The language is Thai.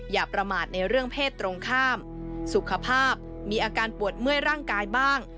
อย่าประมาทในเรื่องเพศตรงข้ามสุขภาพมีอาการปวดเมื่อยร่างกายบ้าง